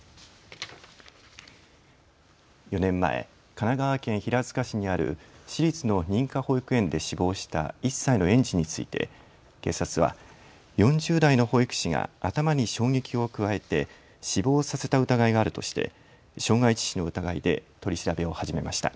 ４年前、神奈川県平塚市にある私立の認可保育園で死亡した１歳の園児について警察は４０代の保育士が頭に衝撃を加えて死亡させた疑いがあるとして傷害致死の疑いで取り調べを始めました。